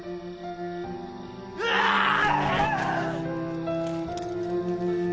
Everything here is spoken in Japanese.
うわーっ！